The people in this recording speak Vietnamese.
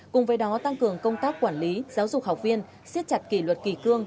cùng với đó tăng cường công tác quản lý giáo dục học viên siết chặt kỷ luật kỳ cương